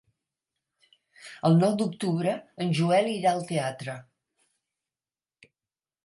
El nou d'octubre en Joel irà al teatre.